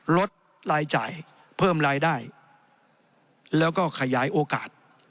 ลดรายจ่ายเพิ่มรายได้แล้วก็ขยายโอกาส